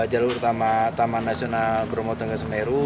jalur utama taman nasional bromo tengah semeru